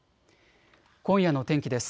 今夜の天気です。